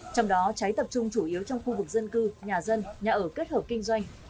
trong đó cháy tập trung chủ yếu trong khu vực dân cư nhà dân nhà ở kết hợp kinh doanh